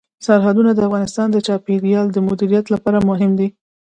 سرحدونه د افغانستان د چاپیریال د مدیریت لپاره مهم دي.